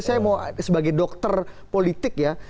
saya mau sebagai dokter politik ya